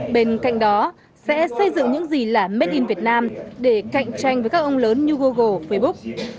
bên cạnh đó sẽ xây dựng những gì là made in việt nam để cạnh tranh với các ông lớn như google facebook